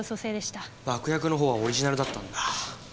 爆薬の方はオリジナルだったんだ。